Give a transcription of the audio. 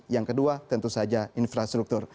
yang kedua tentu saja infrastruktur